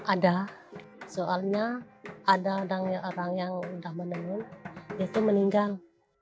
ada soalnya ada orang yang sudah menenun itu meninggal